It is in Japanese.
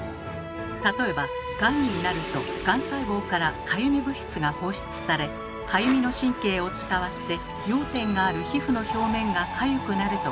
例えばがんになるとがん細胞からかゆみ物質が放出されかゆみの神経を伝わって痒点がある皮膚の表面がかゆくなると考えられています。